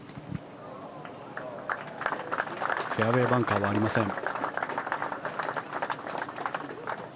フェアウェーバンカーはありません。